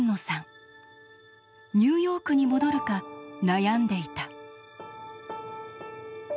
ニューヨークに戻るか悩んでいた。